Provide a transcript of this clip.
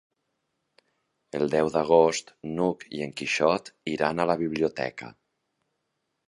El deu d'agost n'Hug i en Quixot iran a la biblioteca.